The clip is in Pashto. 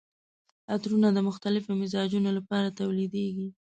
عطرونه د مختلفو مزاجونو لپاره تولیدیږي.